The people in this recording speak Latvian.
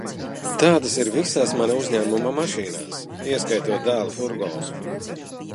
Tādas ir visās mana uzņēmuma mašīnās, ieskaitot dēla furgonu.